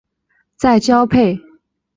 在交配季节时短角羚会变得非常好斗。